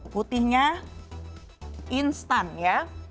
putihnya instan ya